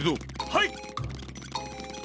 はい！